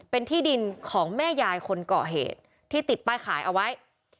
เป็นที่ดินของแม่ยายคนเกาะเหตุที่ติดป้ายขายเอาไว้